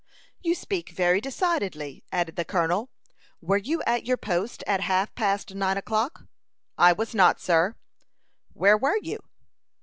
"You speak very decidedly," added the colonel. "Were you at your post at half past nine o'clock?" "I was not, sir." "Where were you?"